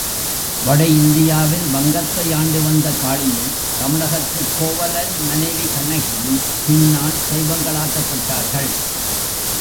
வட இந்தியாவில் வங்கத்தை ஆண்டு வந்த காளியும் தமிழகத்துக் கோவலன் மனைவி கண்ணகியும் பின்னால் தெய்வங்களாக்கப்பட்டார்கள்.